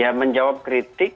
ya menjawab kritik